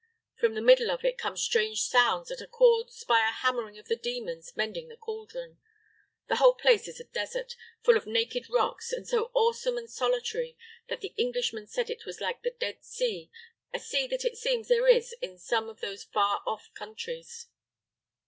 From the middle of it come strange sounds that are caused by the hammering of the demons mending the cauldron. The whole place is a desert, full of naked rocks, and so awesome and solitary that the Englishman said it was like the Dead Sea a sea that it seems there is in some of those far off countries."